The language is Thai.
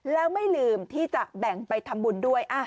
แล้วไม่ลืมที่จะแบ่งไปทำบุญด้วย